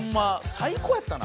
最高やったな。